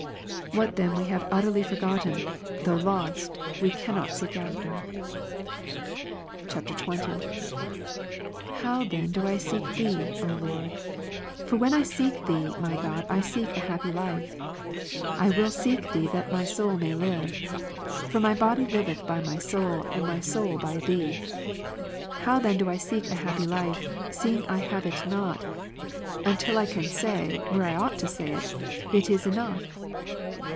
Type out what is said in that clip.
What then we have utterly forgotten, though lost, we cannot even seek after. [XX.] 29. How then do I seek Thee, O Lord ? For when I seek Thee, my God, I seek a happy life. Iivill seek Thee, that my soul may live. For my body liveth by my soul ; and my soul by Thee. How then do I seek a happy life, seeing I have it not, until I can say, where I ought to say it, "It is enough?"